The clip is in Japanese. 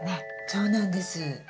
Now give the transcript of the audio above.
そうなんです。